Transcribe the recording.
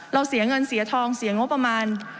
เสียเงินเสียทองเสียงบประมาณ